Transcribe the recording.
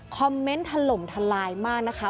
เมนต์ถล่มทลายมากนะคะ